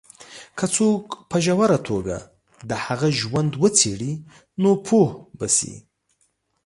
که څوک په ژوره توګه د هغه ژوند وڅېـړي، نو پوه به شي.